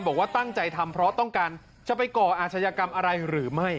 บอกว่าตั้งใจทำเพราะต้องการจะไปก่ออาชญากรรมอะไรหรือไม่